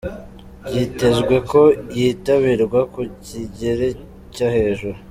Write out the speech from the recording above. Byitezwe ko yitabirwa ku kigero cyo hejuru.